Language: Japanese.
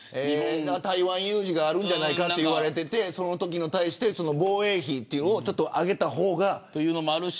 台湾有事があるんじゃないかと言われていてそれに対して防衛費を上げた方が。というのもあるし